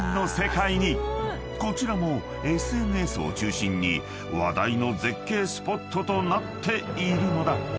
［こちらもＳＮＳを中心に話題の絶景スポットとなっているのだ］